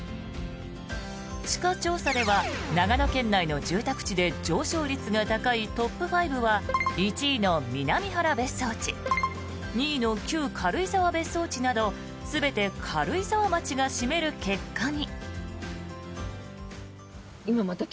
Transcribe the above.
地価調査では長野県内の住宅地で上昇率が高いトップ５は１位の南原別荘地２位の旧軽井沢別荘地など全て軽井沢町が占める結果に。